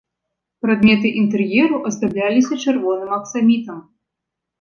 Прадметы інтэр'еру аздабляліся чырвоным аксамітам.